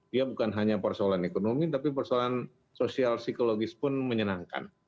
dia bukan hanya persoalan ekonomi tapi persoalan sosial psikologis pun menyenangkan